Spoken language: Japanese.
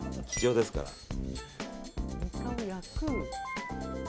貴重ですから。